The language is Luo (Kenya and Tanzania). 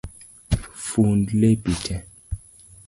Fund lepi tee